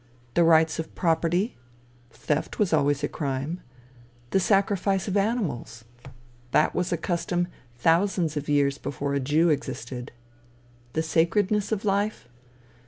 The rights of property? theft was always a crime. The sacrifice of animals? that was a custom thousands of years before a Jew existed. The sacredness of life?